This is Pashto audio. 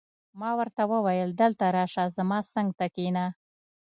ما ورته وویل: دلته راشه، زما څنګ ته کښېنه.